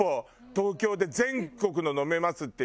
東京で全国のを飲めますっていうのを。